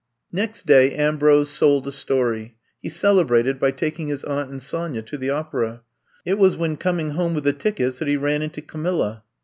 Next day Ambrose sold a story. He celebrated by taking his Aunt and Sonya to the opera. It was when coming home with the tickets that he ran into Camilla.